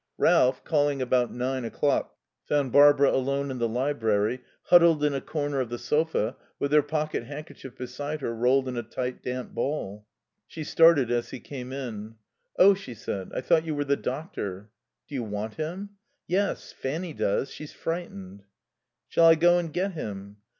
Ralph, calling about nine o'clock, found Barbara alone in the library, huddled in a corner of the sofa, with her pocket handkerchief beside her, rolled in a tight, damp ball. She started as he came in. "Oh," she said, "I thought you were the doctor." "Do you want him?" "Yes. Fanny does. She's frightened." "Shall I go and get him?"